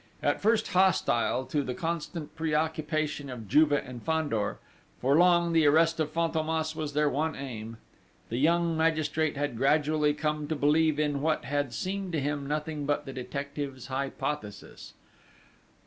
At first hostile to the constant preoccupation of Juve and Fandor for long the arrest of Fantômas was their one aim the young magistrate had gradually come to believe in what had seemed to him nothing but the detective's hypothesis.